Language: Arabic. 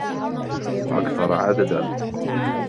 وَأَكْثَرَ عَدَدًا